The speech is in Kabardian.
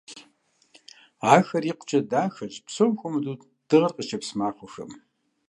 Ахэр икъукӀэ дахэщ, псом хуэмыдэу дыгъэр къыщепс махуэхэм.